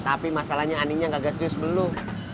tapi masalahnya aninya nggak serius belum